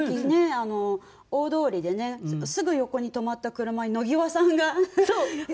あの大通りでねすぐ横に止まった車に野際さんが。